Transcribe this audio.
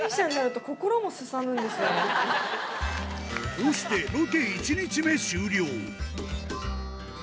こうして、ロケ１日目終了。